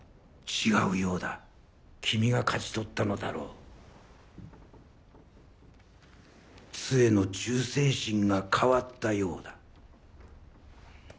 違うようだ君が勝ち取ったのだろう杖の忠誠心が変わったようだ